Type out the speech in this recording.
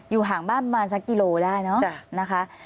ห่างบ้านประมาณสักกิโลได้เนอะนะคะ